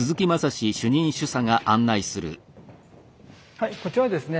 はいこちらはですね